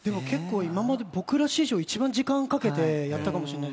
今まで僕ら史上、一番時間かけてやったかも。